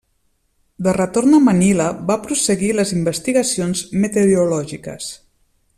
De retorn a Manila, va prosseguir les investigacions meteorològiques.